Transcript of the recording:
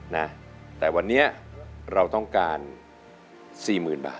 นะแต่วันนี้เราต้องการ๔๐๐๐บาท